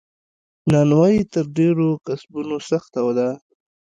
نانوایې تر ډیرو کسبونو سخته ده.